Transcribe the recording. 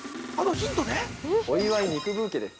◆お祝い肉ブーケです。